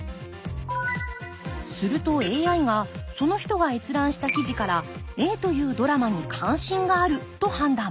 するとＡＩがその人が閲覧した記事からＡというドラマに関心があると判断。